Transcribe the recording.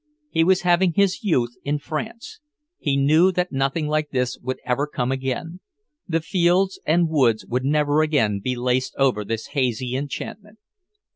He was having his youth in France. He knew that nothing like this would ever come again; the fields and woods would never again be laced over with this hazy enchantment.